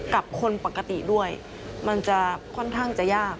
กับคนปกติด้วยมันจะค่อนข้างจะยาก